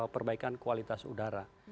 perbaikan kualitas udara